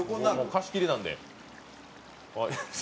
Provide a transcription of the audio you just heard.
貸し切りなんで。